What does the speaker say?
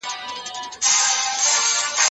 کله چي حق ادا نه سي نو بدل اخيستل روا نه دي.